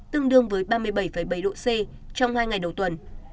tương đương với ba mươi bảy bảy độ c trong hai ngày đầu tuần